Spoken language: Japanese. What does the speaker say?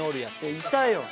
いたよ！